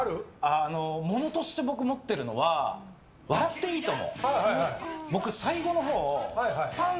物として僕、持ってるのは「笑っていいとも！」。